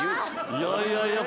いやいやいや。